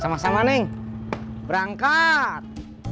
sama sama neng berangkat